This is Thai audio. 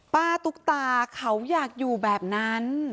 ตุ๊กตาเขาอยากอยู่แบบนั้น